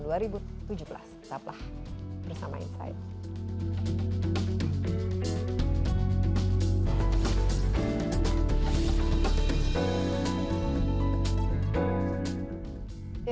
sampai jumpa bersama insight